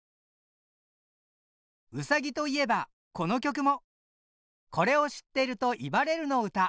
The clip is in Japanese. うさぎといえばこの曲も！